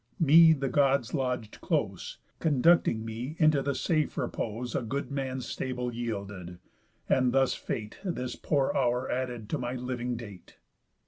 Me the Gods lodg'd close, Conducting me into the safe repose A good man's stable yielded. And thus Fate This poor hour added to my living date."